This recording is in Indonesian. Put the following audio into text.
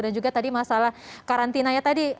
dan juga tadi masalah karantinanya tadi